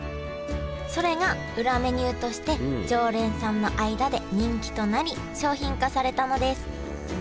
それが裏メニューとして常連さんの間で人気となり商品化されたのですへえ